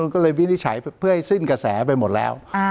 ก็เลยวินิจฉัยเพื่อให้สิ้นกระแสไปหมดแล้ว